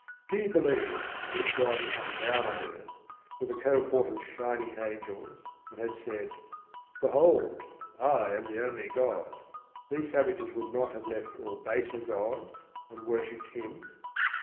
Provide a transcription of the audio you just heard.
Do you believe that if God had come down on earth, with a cohort of shining angels, and had said, "Behold, I am the only God," these savages would not have left all baser gods and worshipped Him?